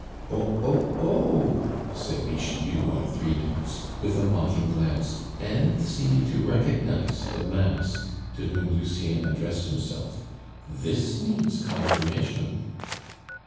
"Oh! oh! oh!" said Bixiou on three notes, with a mocking glance, and seeming to recognize the mask to whom Lucien addressed himself. "This needs confirmation."